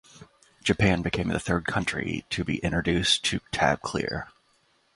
Japan became the third country to be introduced to Tab Clear.